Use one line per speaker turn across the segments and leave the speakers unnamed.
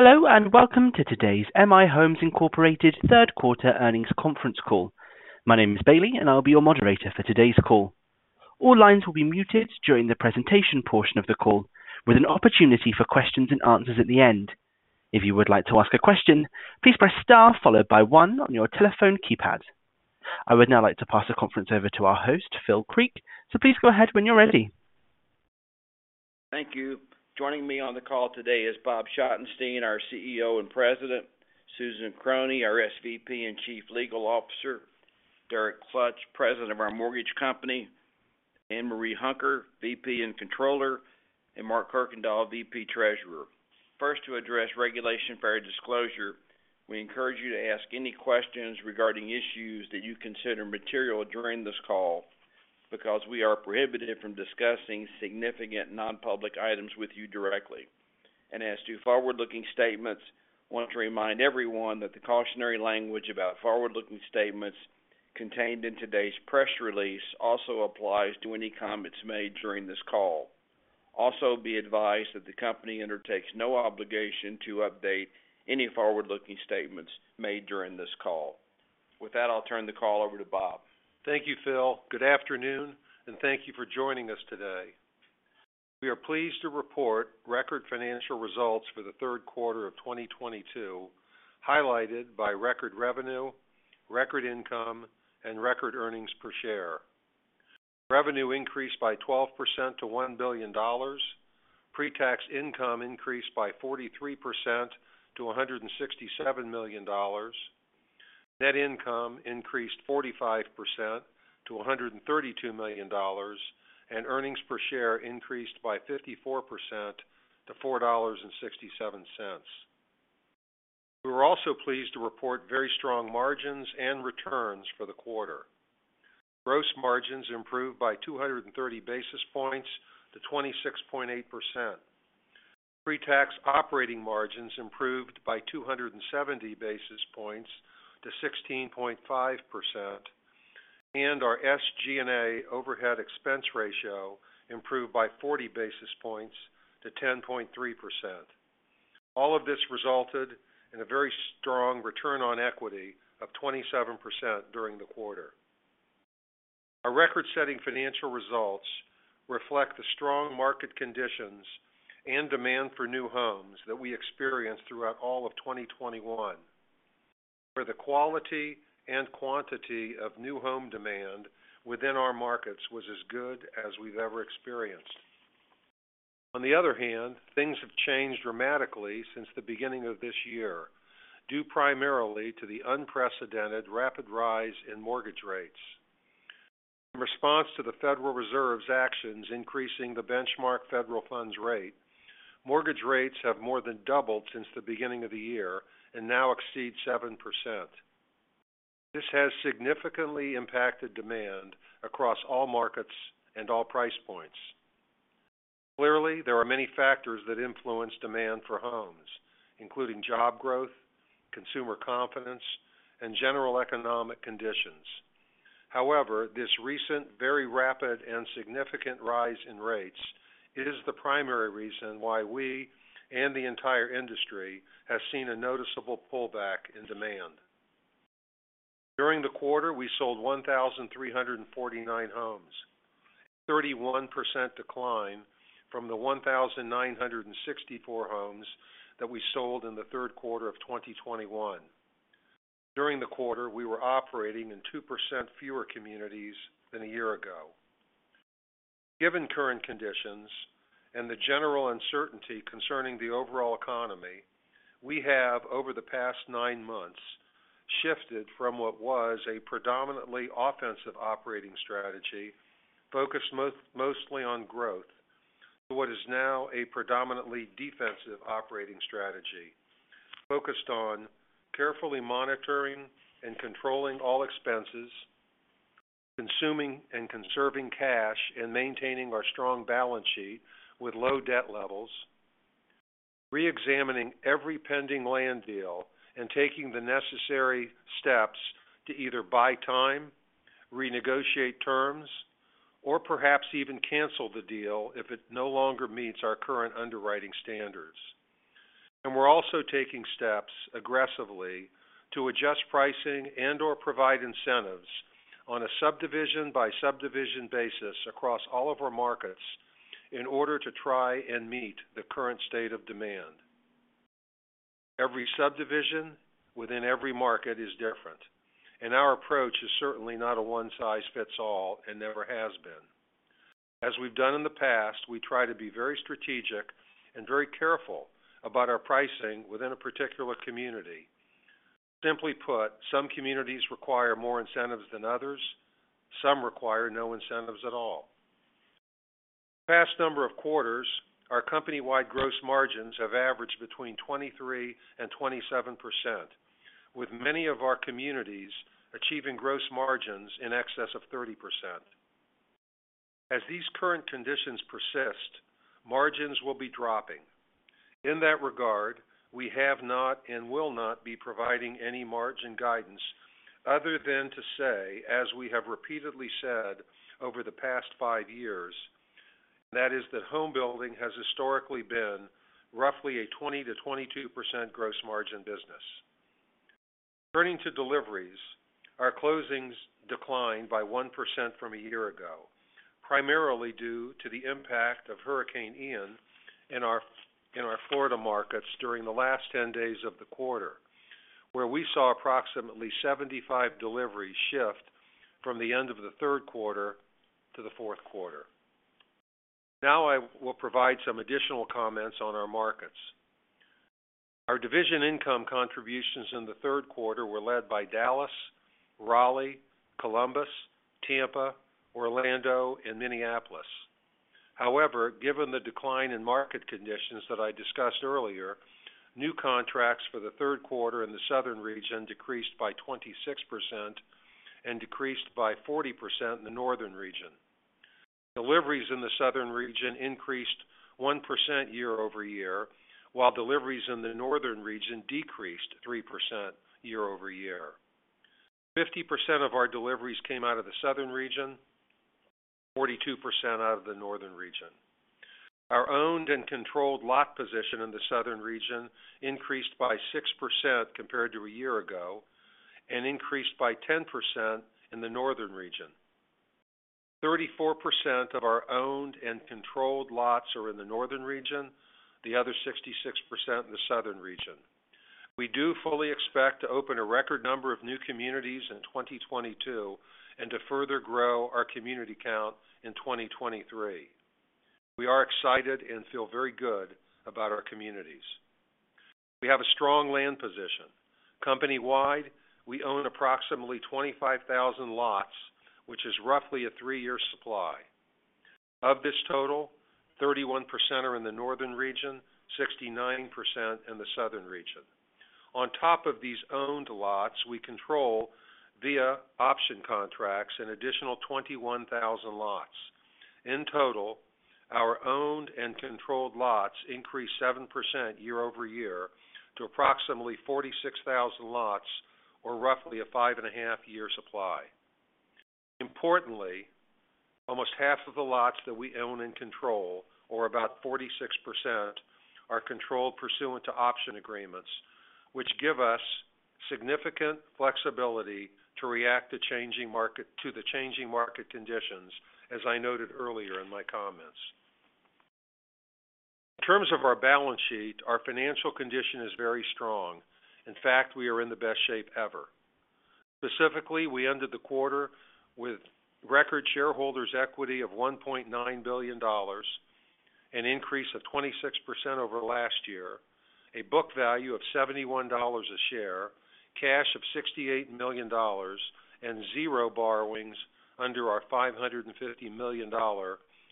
Hello, and welcome to today's M/I Homes, Inc Third Quarter Earnings Conference Call. My name is Bailey, and I'll be your moderator for today's call. All lines will be muted during the presentation portion of the call, with an opportunity for questions and answers at the end. If you would like to ask a question, please press star followed by one on your telephone keypad. I would now like to pass the conference over to our host, Phil Creek, so please go ahead when you're ready.
Thank you. Joining me on the call today is Bob Schottenstein, our CEO and President, Susan Krohne, our SVP and Chief Legal Officer, Derek Klutch, President of our mortgage company, Ann Marie Hunker, VP and Controller, and Mark Kirkendall, VP Treasurer. First, to address Regulation Fair Disclosure, we encourage you to ask any questions regarding issues that you consider material during this call because we are prohibited from discussing significant non-public items with you directly. As to forward-looking statements, I want to remind everyone that the cautionary language about forward-looking statements contained in today's press release also applies to any comments made during this call. Also be advised that the company undertakes no obligation to update any forward-looking statements made during this call. With that, I'll turn the call over to Bob.
Thank you, Phil. Good afternoon, and thank you for joining us today. We are pleased to report record financial results for the third quarter of 2022, highlighted by record revenue, record income, and record earnings per share. Revenue increased by 12% to $1 billion. Pre-tax income increased by 43% to $167 million. Net income increased 45% to $132 million, and earnings per share increased by 54% to $4.67. We were also pleased to report very strong margins and returns for the quarter. Gross margins improved by 230 basis points to 26.8%. Pre-tax operating margins improved by 270 basis points to 16.5%, and our SG&A overhead expense ratio improved by 40 basis points to 10.3%. All of this resulted in a very strong return on equity of 27% during the quarter. Our record-setting financial results reflect the strong market conditions and demand for new homes that we experienced throughout all of 2021, where the quality and quantity of new home demand within our markets was as good as we've ever experienced. On the other hand, things have changed dramatically since the beginning of this year, due primarily to the unprecedented rapid rise in mortgage rates. In response to the Federal Reserve's actions increasing the benchmark federal funds rate, mortgage rates have more than doubled since the beginning of the year and now exceed 7%. This has significantly impacted demand across all markets and all price points. Clearly, there are many factors that influence demand for homes, including job growth, consumer confidence, and general economic conditions. However, this recent very rapid and significant rise in rates is the primary reason why we and the entire industry have seen a noticeable pullback in demand. During the quarter, we sold 1,349 homes, 31% decline from the 1,964 homes that we sold in the third quarter of 2021. During the quarter, we were operating in 2% fewer communities than a year ago. Given current conditions and the general uncertainty concerning the overall economy, we have over the past nine months shifted from what was a predominantly offensive operating strategy focused mostly on growth to what is now a predominantly defensive operating strategy focused on carefully monitoring and controlling all expenses, consuming and conserving cash, and maintaining our strong balance sheet with low debt levels, re-examining every pending land deal and taking the necessary steps to either buy time, renegotiate terms, or perhaps even cancel the deal if it no longer meets our current underwriting standards. We're also taking steps aggressively to adjust pricing and/or provide incentives on a subdivision-by-subdivision basis across all of our markets in order to try and meet the current state of demand. Every subdivision within every market is different, and our approach is certainly not a one-size-fits-all and never has been. As we've done in the past, we try to be very strategic and very careful about our pricing within a particular community. Simply put, some communities require more incentives than others. Some require no incentives at all. The past number of quarters, our company-wide gross margins have averaged between 23% and 27%, with many of our communities achieving gross margins in excess of 30%. As these current conditions persist, margins will be dropping. In that regard, we have not and will not be providing any margin guidance other than to say, as we have repeatedly said over the past five years, that is, that home building has historically been roughly a 20%-22% gross margin business. Turning to deliveries, our closings declined by 1% from a year ago, primarily due to the impact of Hurricane Ian in our Florida markets during the last 10 days of the quarter, where we saw approximately 75 deliveries shift from the end of the third quarter to the fourth quarter. Now I will provide some additional comments on our markets. Our division income contributions in the third quarter were led by Dallas, Raleigh, Columbus, Tampa, Orlando and Minneapolis. However, given the decline in market conditions that I discussed earlier, new contracts for the third quarter in the Southern region decreased by 26% and decreased by 40% in the Northern region. Deliveries in the Southern region increased 1% year-over-year, while deliveries in the Northern region decreased 3% year-over-year. 50% of our deliveries came out of the Southern region, 42% out of the Northern region. Our owned and controlled lot position in the Southern region increased by 6% compared to a year ago, and increased by 10% in the Northern region. 34% of our owned and controlled lots are in the Northern region, the other 66% in the Southern region. We do fully expect to open a record number of new communities in 2022 and to further grow our community count in 2023. We are excited and feel very good about our communities. We have a strong land position. Company-wide, we own approximately 25,000 lots, which is roughly a three year supply. Of this total, 31% are in the Northern region, 69% in the Southern region. On top of these owned lots, we control via option contracts an additional 21,000 lots. In total, our owned and controlled lots increased 7% year-over-year to approximately 46,000 lots, or roughly a 5.5-year supply. Importantly, almost half of the lots that we own and control, or about 46%, are controlled pursuant to option agreements, which give us significant flexibility to react to the changing market conditions, as I noted earlier in my comments. In terms of our balance sheet, our financial condition is very strong. In fact, we are in the best shape ever. Specifically, we ended the quarter with record shareholders equity of $1.9 billion, an increase of 26% over last year, a book value of $71 a share, cash of $68 million, and zero borrowings under our $550 million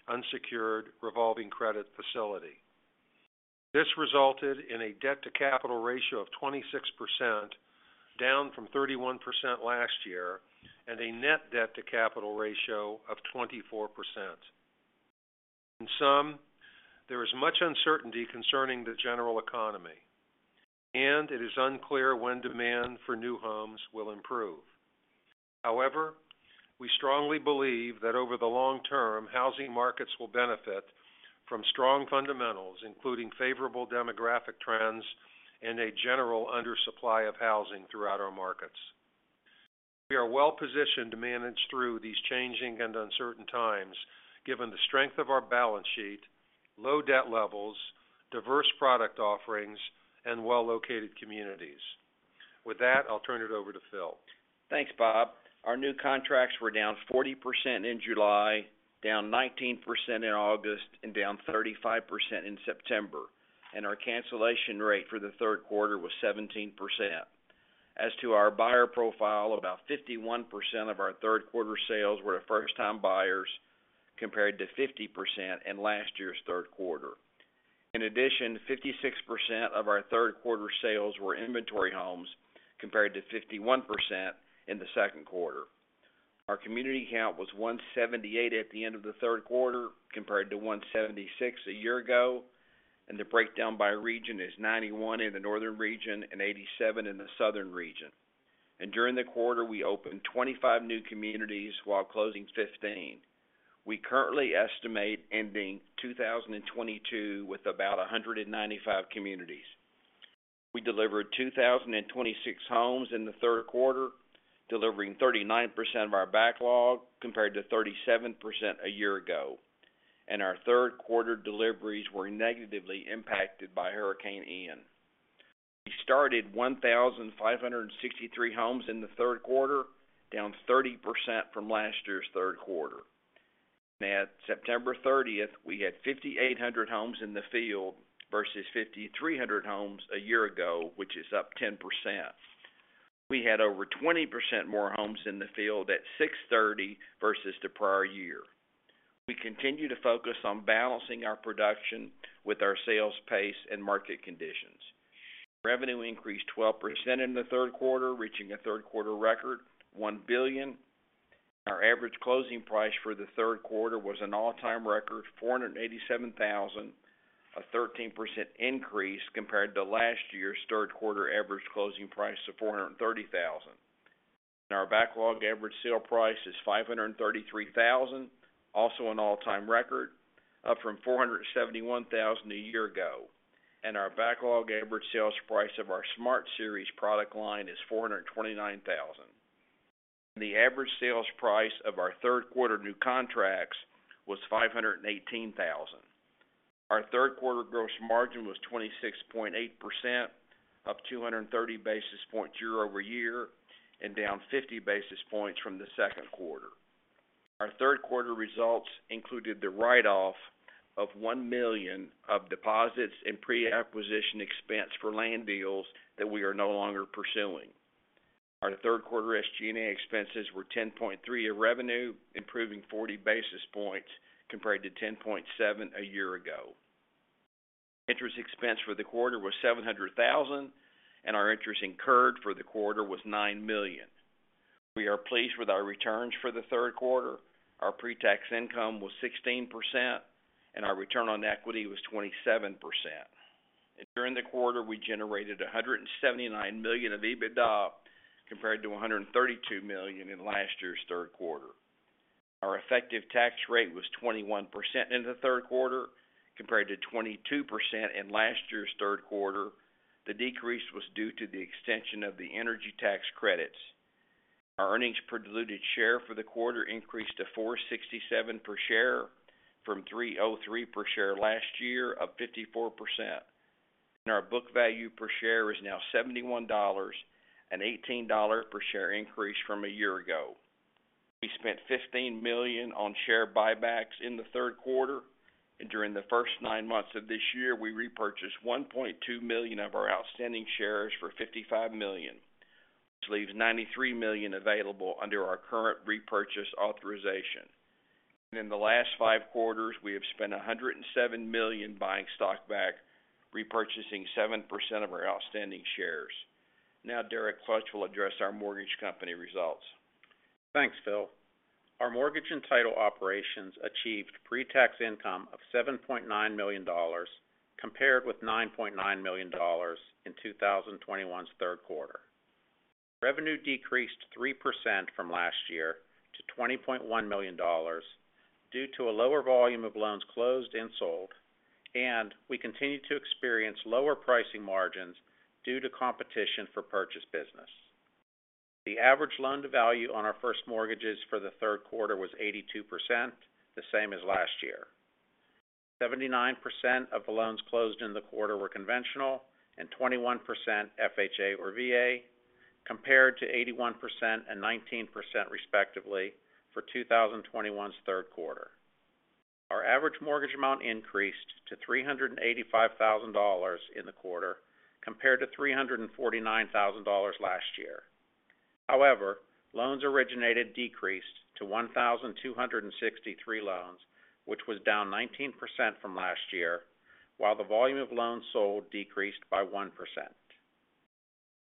unsecured revolving credit facility. This resulted in a debt-to-capital ratio of 26%, down from 31% last year, and a net debt-to-capital ratio of 24%. In sum, there is much uncertainty concerning the general economy, and it is unclear when demand for new homes will improve. However, we strongly believe that over the long term, housing markets will benefit from strong fundamentals, including favorable demographic trends and a general undersupply of housing throughout our markets. We are well positioned to manage through these changing and uncertain times, given the strength of our balance sheet, low debt levels, diverse product offerings, and well-located communities. With that, I'll turn it over to Phil.
Thanks, Bob. Our new contracts were down 40% in July, down 19% in August, and down 35% in September, and our cancellation rate for the third quarter was 17%. As to our buyer profile, about 51% of our third quarter sales were first-time buyers compared to 50% in last year's third quarter. In addition, 56% of our third quarter sales were inventory homes compared to 51% in the second quarter. Our community count was 178 at the end of the third quarter compared to 176 a year ago, and the breakdown by region is 91 in the Northern region and 87 in the Southern region. During the quarter, we opened 25 new communities while closing 15. We currently estimate ending 2022 with about 195 communities. We delivered 2,026 homes in the third quarter, delivering 39% of our backlog compared to 37% a year ago. Our third quarter deliveries were negatively impacted by Hurricane Ian. We started 1,563 homes in the third quarter, down 30% from last year's third quarter. At September 30, we had 5,800 homes in the field versus 5,300 homes a year ago, which is up 10%. We had over 20% more homes in the field at 6/30 versus the prior year. We continue to focus on balancing our production with our sales pace and market conditions. Revenue increased 12% in the third quarter, reaching a third-quarter record $1 billion. Our average closing price for the third quarter was an all-time record, $487,000, a 13% increase compared to last year's third quarter average closing price of $430,000. Our backlog average sale price is $533,000, also an all-time record, up from $471,000 a year ago. Our backlog average sales price of our Smart Series product line is $429,000. The average sales price of our third quarter new contracts was $518,000. Our third quarter gross margin was 26.8%, up 230 basis points year-over-year, and down 50 basis points from the second quarter. Our third quarter results included the write-off of $1 million of deposits and pre-acquisition expense for land deals that we are no longer pursuing. Our third quarter SG&A expenses were 10.3% of revenue, improving 40 basis points compared to 10.7% a year ago. Interest expense for the quarter was $700,000, and our interest incurred for the quarter was $9 million. We are pleased with our returns for the third quarter. Our pre-tax income was 16%, and our return on equity was 27%. During the quarter, we generated $179 million of EBITDA compared to $132 million in last year's third quarter. Our effective tax rate was 21% in the third quarter compared to 22% in last year's third quarter. The decrease was due to the extension of the energy tax credits. Our earnings per diluted share for the quarter increased to $4.67 per share from $3.03 per share last year, up 54%. Our book value per share is now $71, an $18 per share increase from a year ago. We spent $15 million on share buybacks in the third quarter, and during the first nine months of this year, we repurchased 1.2 million of our outstanding shares for $55 million. This leaves $93 million available under our current repurchase authorization. In the last five quarters, we have spent $107 million buying stock back, repurchasing 7% of our outstanding shares. Now, Derek Klutch will address our mortgage company results.
Thanks, Phil. Our mortgage and title operations achieved pre-tax income of $7.9 million compared with $9.9 million in 2021's third quarter. Revenue decreased 3% from last year to $20.1 million due to a lower volume of loans closed and sold, and we continued to experience lower pricing margins due to competition for purchase business. The average loan to value on our first mortgages for the third quarter was 82%, the same as last year. 79% of the loans closed in the quarter were conventional and 21% FHA or VA, compared to 81% and 19% respectively for 2021's third quarter. Our average mortgage amount increased to $385,000 in the quarter compared to $349,000 last year. However, loans originated decreased to 1,263 loans, which was down 19% from last year, while the volume of loans sold decreased by 1%.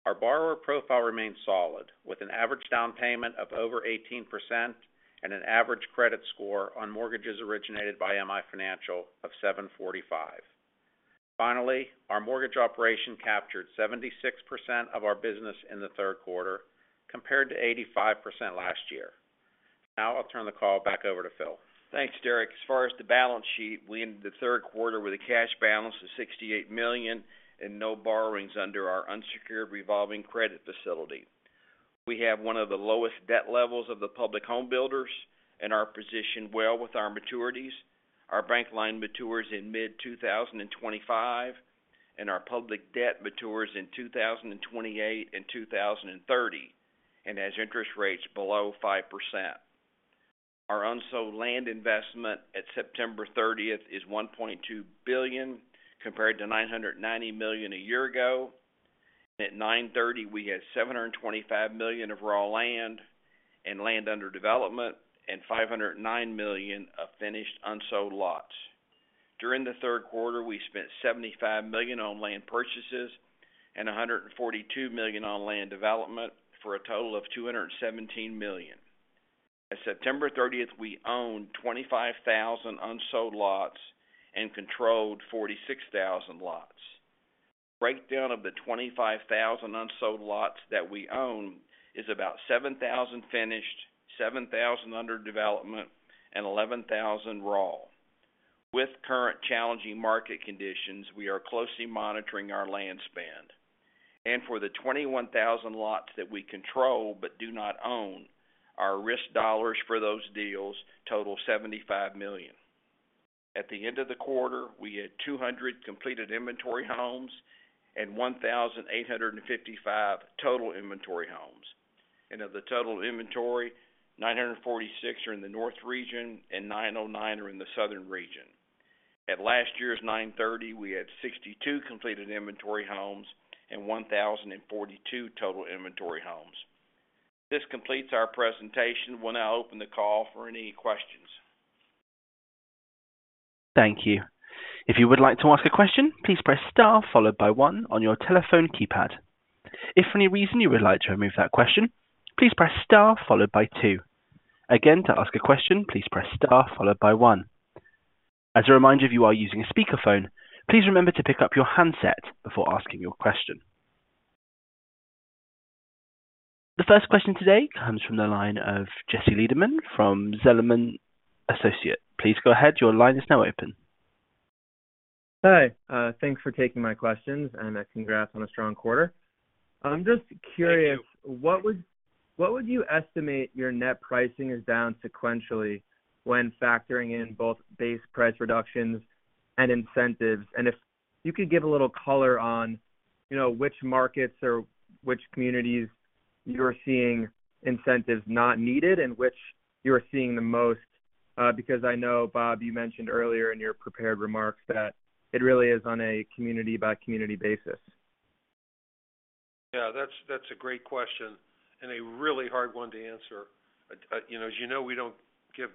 Our borrower profile remains solid, with an average down payment of over 18% and an average credit score on mortgages originated by M/I Financial of 745. Finally, our mortgage operation captured 76% of our business in the third quarter, compared to 85% last year. Now I'll turn the call back over to Phil.
Thanks, Derek. As far as the balance sheet, we ended the third quarter with a cash balance of $68 million and no borrowings under our unsecured revolving credit facility. We have one of the lowest debt levels of the public home builders and are positioned well with our maturities. Our bank line matures in mid-2025, and our public debt matures in 2028 and 2030, and has interest rates below 5%. Our unsold land investment at September 30th is $1.2 billion, compared to $990 million a year ago. At 9/30, we had $725 million of raw land and land under development and $509 million of finished unsold lots. During the third quarter, we spent $75 million on land purchases and $142 million on land development, for a total of $217 million. At September 30th, we owned 25,000 unsold lots and controlled 46,000 lots. Breakdown of the 25,000 unsold lots that we own is about 7,000 finished, 7,000 under development, and 11,000 raw. With current challenging market conditions, we are closely monitoring our land spend. For the 21,000 lots that we control, but do not own, our risk dollars for those deals total $75 million. At the end of the quarter, we had 200 completed inventory homes and 1,855 total inventory homes. Of the total inventory, 946 are in the north region and 909 are in the southern region. At last year's 9/30, we had 62 completed inventory homes and 1,042 total inventory homes. This completes our presentation. We'll now open the call for any questions.
Thank you. If you would like to ask a question, please press star followed by one on your telephone keypad. If for any reason you would like to remove that question, please press star followed by two. Again, to ask a question, please press star followed by one. As a reminder, if you are using a speakerphone, please remember to pick up your handset before asking your question. The first question today comes from the line of Jesse Lederman from Zelman & Associates. Please go ahead. Your line is now open.
Hi. Thanks for taking my questions, and congrats on a strong quarter.
Thank you.
I'm just curious, what would you estimate your net pricing is down sequentially when factoring in both base price reductions and incentives? If you could give a little color on, you know, which markets or which communities you're seeing incentives not needed and which you are seeing the most. Because I know, Bob, you mentioned earlier in your prepared remarks that it really is on a community by community basis.
Yeah, that's a great question and a really hard one to answer. You know, as you know, we don't give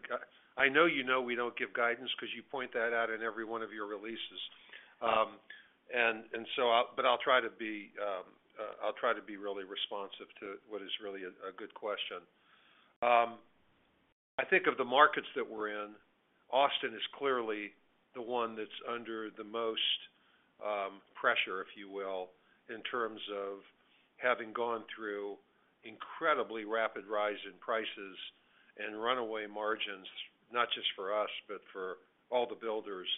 guidance 'cause you point that out in every one of your releases. I know you know we don't give guidance. But I'll try to be really responsive to what is really a good question. I think of the markets that we're in, Austin is clearly the one that's under the most pressure, if you will, in terms of having gone through incredibly rapid rise in prices and runaway margins, not just for us, but for all the builders.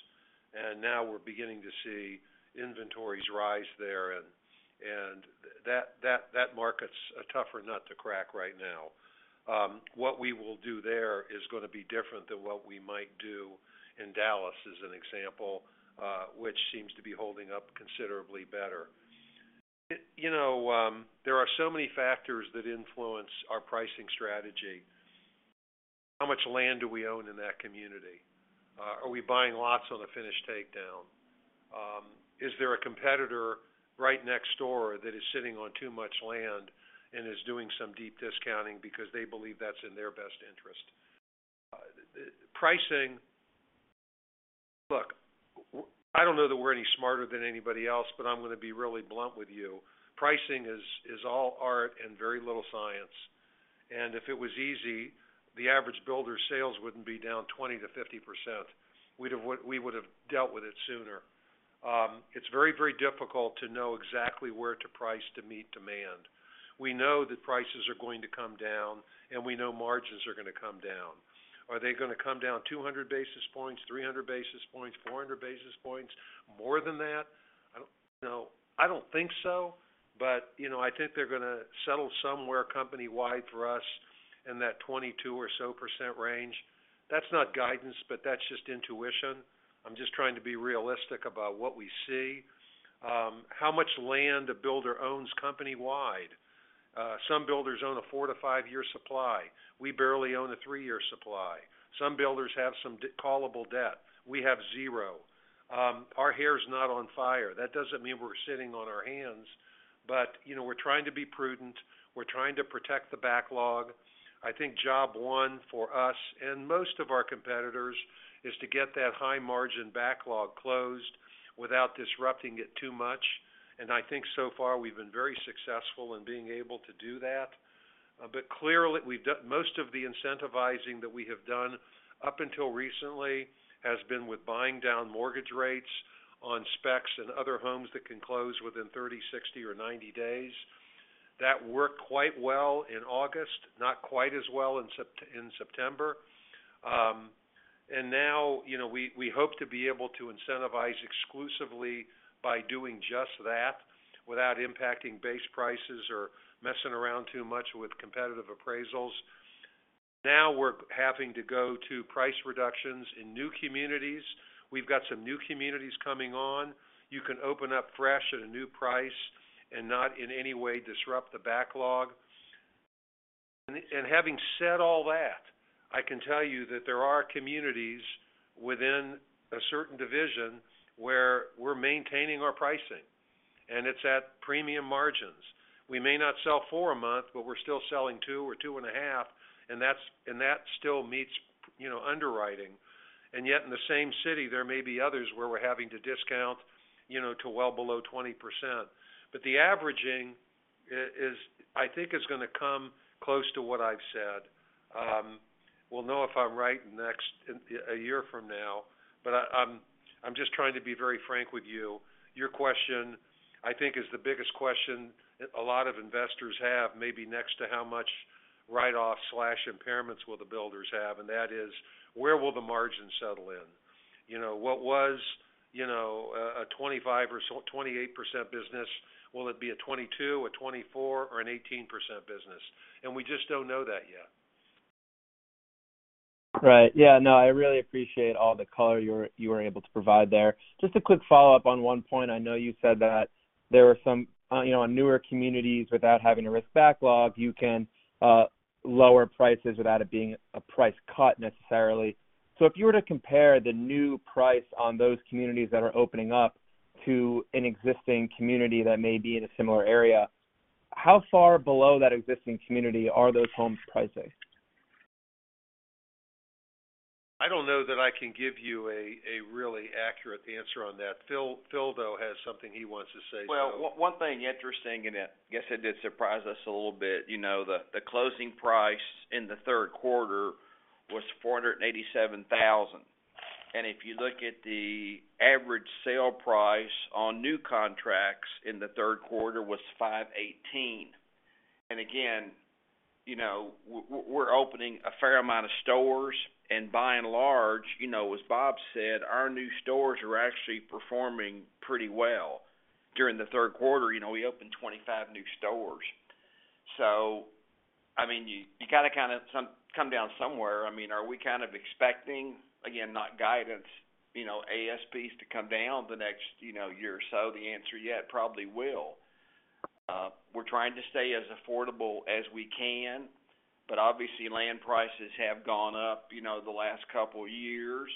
Now we're beginning to see inventories rise there and that market's a tougher nut to crack right now. What we will do there is gonna be different than what we might do in Dallas, as an example, which seems to be holding up considerably better. You know, there are so many factors that influence our pricing strategy. How much land do we own in that community? Are we buying lots on a finished takedown? Is there a competitor right next door that is sitting on too much land and is doing some deep discounting because they believe that's in their best interest? Pricing. Look, I don't know that we're any smarter than anybody else, but I'm gonna be really blunt with you. Pricing is all art and very little science. If it was easy, the average builder sales wouldn't be down 20%-50%. We would have dealt with it sooner. It's very, very difficult to know exactly where to price to meet demand. We know that prices are going to come down, and we know margins are gonna come down. Are they gonna come down 200 basis points, 300 basis points, 400 basis points? More than that? I don't know. I don't think so. You know, I think they're gonna settle somewhere company-wide for us in that 22% or so range. That's not guidance, but that's just intuition. I'm just trying to be realistic about what we see. How much land a builder owns company-wide. Some builders own a four to five year supply. We barely own a three year supply. Some builders have some callable debt. We have zero. Our hair's not on fire. That doesn't mean we're sitting on our hands. You know, we're trying to be prudent. We're trying to protect the backlog. I think job one for us and most of our competitors is to get that high margin backlog closed without disrupting it too much. I think so far, we've been very successful in being able to do that. Clearly, most of the incentivizing that we have done up until recently has been with buying down mortgage rates on specs and other homes that can close within 30, 60 or 90 days. That worked quite well in August, not quite as well in September. Now, you know, we hope to be able to incentivize exclusively by doing just that without impacting base prices or messing around too much with competitive appraisals. Now we're having to go to price reductions in new communities. We've got some new communities coming on. You can open up fresh at a new price and not in any way disrupt the backlog. Having said all that, I can tell you that there are communities within a certain division where we're maintaining our pricing, and it's at premium margins. We may not sell four a month, but we're still selling two or two and a half, and that still meets, you know, underwriting. Yet in the same city, there may be others where we're having to discount, you know, to well below 20%. The averaging is, I think, gonna come close to what I've said. We'll know if I'm right in a year from now, I'm just trying to be very frank with you. Your question, I think, is the biggest question a lot of investors have, maybe next to how much write-off/impairments will the builders have, and that is, where will the margin settle in? You know, what was, you know, a 25 or so, 28% business, will it be a 22, a 24 or an 18% business? We just don't know that yet.
Right. Yeah, no, I really appreciate all the color you were able to provide there. Just a quick follow-up on one point. I know you said that there were some, you know, on newer communities without having to risk backlog, you can lower prices without it being a price cut necessarily. If you were to compare the new price on those communities that are opening up to an existing community that may be in a similar area, how far below that existing community are those homes pricing?
I don't know that I can give you a really accurate answer on that. Phil, though, has something he wants to say, so-
Well, one thing interesting, and I guess it did surprise us a little bit, you know, the closing price in the third quarter was $487,000. If you look at the average sale price on new contracts in the third quarter was $518,000. Again, you know, we're opening a fair amount of stores and by and large, you know, as Bob said, our new stores are actually performing pretty well. During the third quarter, you know, we opened 25 new stores. I mean, you gotta come down somewhere. I mean, are we kind of expecting, again, not guidance, you know, ASPs to come down the next, you know, year or so? The answer, yeah, it probably will. We're trying to stay as affordable as we can, but obviously land prices have gone up, you know, the last couple years.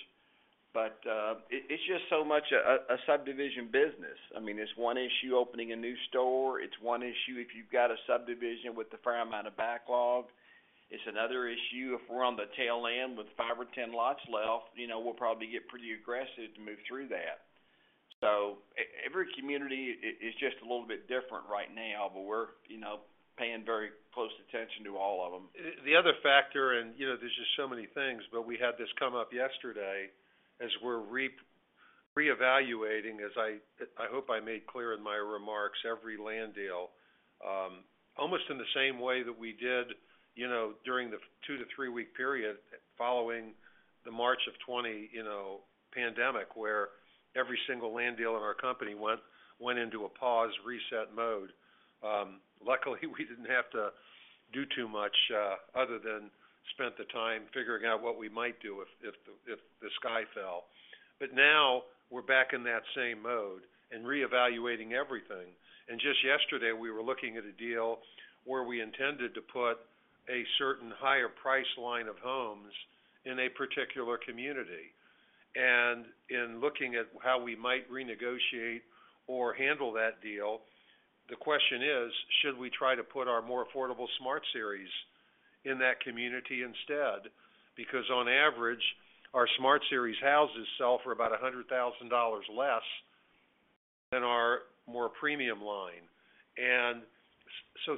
It's just so much a subdivision business. I mean, it's one issue opening a new store. It's one issue if you've got a subdivision with a fair amount of backlog. It's another issue if we're on the tail end with five or 10 lots left, you know, we'll probably get pretty aggressive to move through that. Every community is just a little bit different right now, but we're, you know, paying very close attention to all of them.
The other factor and, you know, there's just so many things, but we had this come up yesterday as we're reevaluating, as I hope I made clear in my remarks, every land deal, almost in the same way that we did, you know, during the two to three week period following the March of 2020 pandemic, where every single land deal in our company went into a pause, reset mode. Luckily, we didn't have to do too much, other than spend the time figuring out what we might do if the sky fell. Now we're back in that same mode and reevaluating everything. Just yesterday, we were looking at a deal where we intended to put a certain higher price line of homes in a particular community. In looking at how we might renegotiate or handle that deal, the question is, should we try to put our more affordable Smart Series in that community instead? Because on average, our Smart Series houses sell for about $100,000 less than our more premium line.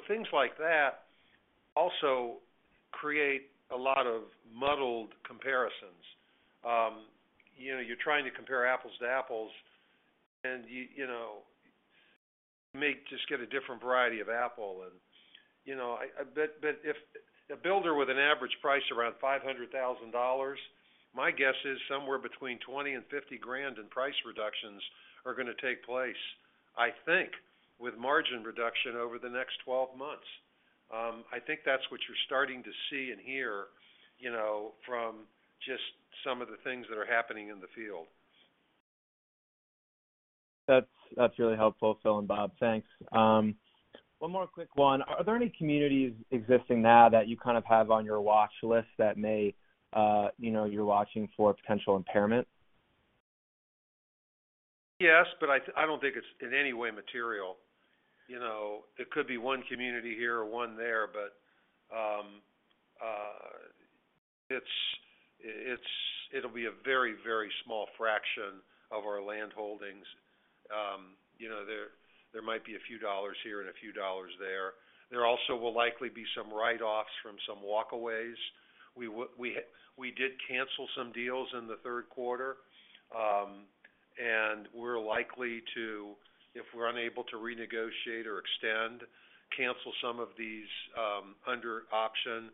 Things like that also create a lot of muddled comparisons. You know, you're trying to compare apples to apples, and you know may just get a different variety of apple. But if a builder with an average price around $500,000, my guess is somewhere between $20,000 and $50,000 in price reductions are gonna take place, I think, with margin reduction over the next 12 months. I think that's what you're starting to see and hear, you know, from just some of the things that are happening in the field.
That's really helpful, Phil and Bob. Thanks. One more quick one. Are there any communities existing now that you kind of have on your watch list that may, you know, you're watching for potential impairment?
Yes, but I don't think it's in any way material. You know, there could be one community here or one there, but it'll be a very, very small fraction of our landholdings. You know, there might be a few dollars here and a few dollars there. There also will likely be some write-offs from some walkaways. We did cancel some deals in the third quarter, and we're likely to, if we're unable to renegotiate or extend, cancel some of these, under option.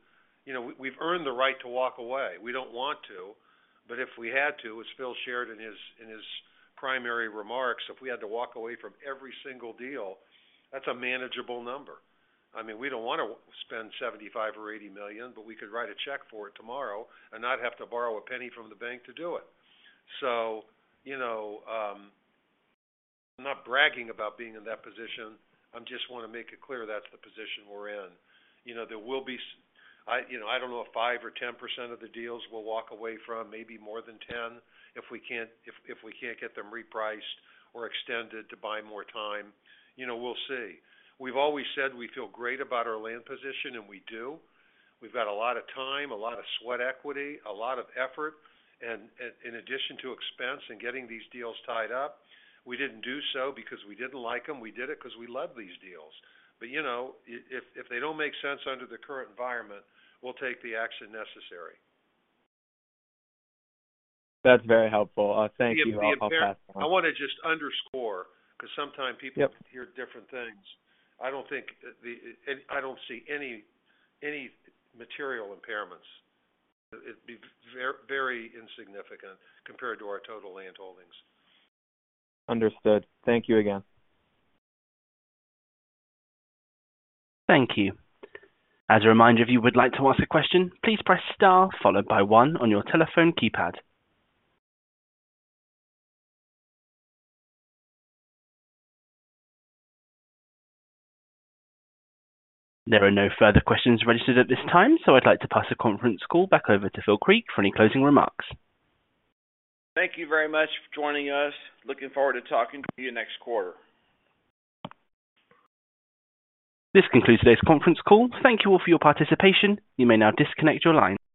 You know, we've earned the right to walk away. We don't want to, but if we had to, as Phil shared in his primary remarks, if we had to walk away from every single deal, that's a manageable number. I mean, we don't wanna spend $75 million or $80 million, but we could write a check for it tomorrow and not have to borrow a penny from the bank to do it. You know, I'm not bragging about being in that position. I just wanna make it clear that's the position we're in. You know, there will be, you know, I don't know if 5% or 10% of the deals we'll walk away from, maybe more than 10%, if we can't get them repriced or extended to buy more time. You know, we'll see. We've always said we feel great about our land position, and we do. We've got a lot of time, a lot of sweat equity, a lot of effort, and in addition to expense in getting these deals tied up. We didn't do so because we didn't like them. We did it because we love these deals. You know, if they don't make sense under the current environment, we'll take the action necessary.
That's very helpful. Thank you. I'll pass it on.
I wanna just underscore because sometimes people hear different things. I don't see any material impairments. It'd be very insignificant compared to our total landholdings.
Understood. Thank you again.
Thank you. As a reminder, if you would like to ask a question, please press star followed by one on your telephone keypad. There are no further questions registered at this time, so I'd like to pass the conference call back over to Phil Creek for any closing remarks.
Thank you very much for joining us. Looking forward to talking to you next quarter.
This concludes today's conference call. Thank you all for your participation. You may now disconnect your line.